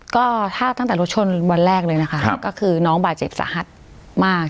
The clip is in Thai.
ก็ถ้าตั้งแต่รถชนวันแรกเลยนะคะก็คือน้องบาดเจ็บสาหัสมาก